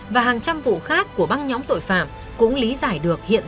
và hàng trăm vụ khác của băng nhóm tội phạm cũng lý giải được hiện nay